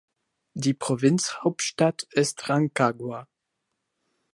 Die Provinzhauptstadt ist Rancagua.